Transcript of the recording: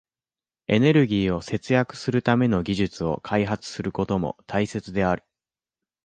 エネルギーを節約するための技術を開発することも大切である。